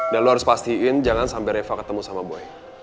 dan lo harus pastiin jangan sampai reva ketemu sama boy